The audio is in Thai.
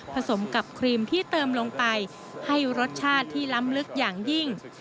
สมกับครีมที่เติมลงไปให้รสชาติที่ล้ำลึกอย่างยิ่ง